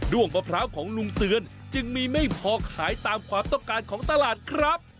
้วงมะพร้าวของลุงเตือนจึงมีไม่พอขายตามความต้องการของตลาดครับ